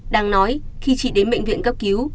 đáng nói khi chị đến miệng viện cấp cứu